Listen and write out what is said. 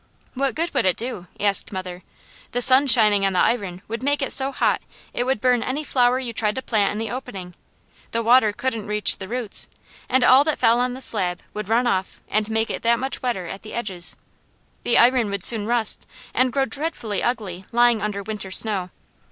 "What good would it do?" asked mother. "The sun shining on the iron would make it so hot it would burn any flower you tried to plant in the opening; the water couldn't reach the roots, and all that fell on the slab would run off and make it that much wetter at the edges. The iron would soon rust and grow dreadfully ugly lying under winter snow.